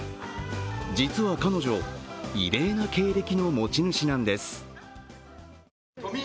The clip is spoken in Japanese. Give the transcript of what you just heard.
実は彼女、異例な経歴の持ち主なんです。